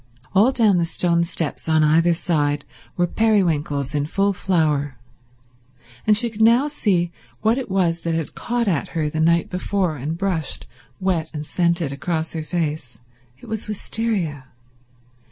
All down the stone steps on either side were periwinkles in full flower, and she could now see what it was that had caught at her the night before and brushed, wet and scented, across her face. It was wistaria.